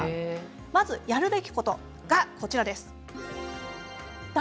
まずやるべきことがこちらです。